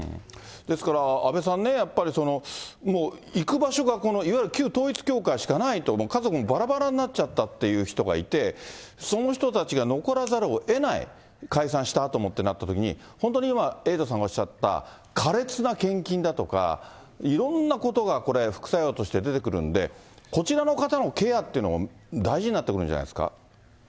ですから、阿部さんね、やっぱりもう行く場所が、いわゆる旧統一教会しかないと、家族もばらばらになっちゃったっていう人がいて、その人たちが残らざるをえない、解散したあともってなったときに、本当に今、エイトさんがおっしゃった苛烈な献金だとか、いろんなことがこれ、副作用として出てくるんで、こちらの方のケアってのも大事になってくるんじゃないですか。